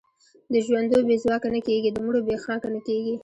د ژوندو بې ځواکه نه کېږي، د مړو بې خاکه نه کېږي.